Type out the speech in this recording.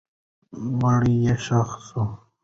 مړی یې ښخ سو.